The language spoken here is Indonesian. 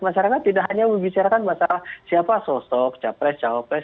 masyarakat tidak hanya membicarakan masalah siapa sosok capres cawapres